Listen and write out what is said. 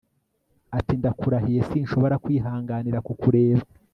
Ati Ndakurahiye sinshobora kwihanganira kukureba